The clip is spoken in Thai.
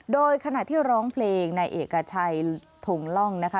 โดยขณะที่ร้องเพลงในเอกชัยทงล่องนะคะ